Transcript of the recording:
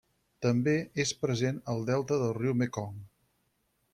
També és present al delta del riu Mekong.